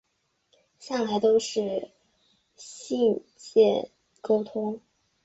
向来都是信件沟通